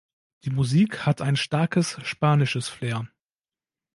Die Musik hat ein starkes spanisches Flair.